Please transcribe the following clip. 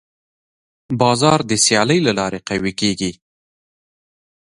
بازار د سیالۍ له لارې قوي کېږي.